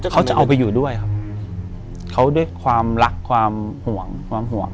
เขาจะเอาไปอยู่ด้วยครับเขาด้วยความรักความห่วงความห่วง